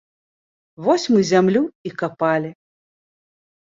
Вось мы зямлю і капалі.